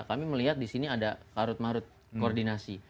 kami melihat di sini ada karut marut koordinasi